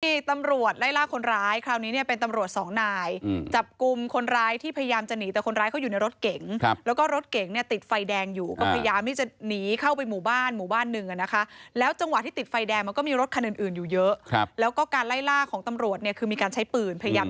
ที่ตำรวจไล่ล่าคนร้ายคราวนี้เนี่ยเป็นตำรวจสองนายจับกลุ่มคนร้ายที่พยายามจะหนีแต่คนร้ายเขาอยู่ในรถเก๋งครับแล้วก็รถเก๋งเนี่ยติดไฟแดงอยู่ก็พยายามที่จะหนีเข้าไปหมู่บ้านหมู่บ้านหนึ่งอ่ะนะคะแล้วจังหวะที่ติดไฟแดงมันก็มีรถคันอื่นอื่นอยู่เยอะครับแล้วก็การไล่ล่าของตำรวจเนี่ยคือมีการใช้ปืนพยายาม